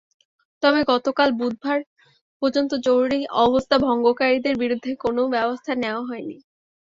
তবে গতকাল বুধবার পর্যন্ত জরুরি অবস্থা ভঙ্গকারীদের বিরুদ্ধে কোনো ব্যবস্থা নেওয়া হয়নি।